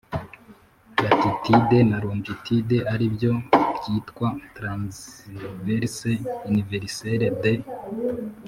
Latitude na longitude ari byo byitwa Transverse universelle de